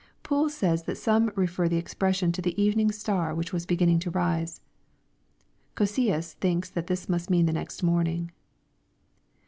Poole says that some refer the expression to the evening star which was beginning to rise. Oocceius thinks it must mean the next morning.